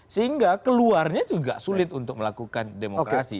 sehingga keluarnya juga sulit untuk melakukan demokrasi